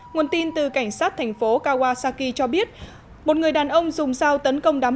nguồn tin từ cảnh sát thành phố kawasaki cho biết một người đàn ông dùng dao tấn công đám